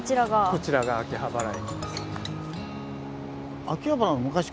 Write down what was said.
こちらが秋葉原駅です。